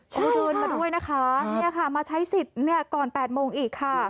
เมื่อคืนมาด้วยนะคะมาใช้สิทธิ์ก่อน๘โมงอีกค่ะ